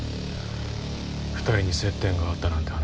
２人に接点があったなんて